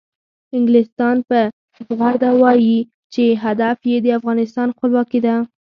انګلستان په زغرده وایي چې هدف یې د افغانستان خپلواکي ده.